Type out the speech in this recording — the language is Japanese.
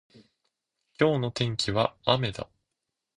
今日の天気は雨だ。